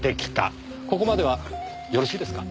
ここまではよろしいですか？